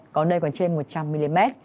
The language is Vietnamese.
có nơi còn trên một trăm linh mm